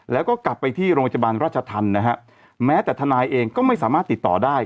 แล้วก็กลับไปที่โรงพยาบาลราชธรรมนะฮะแม้แต่ทนายเองก็ไม่สามารถติดต่อได้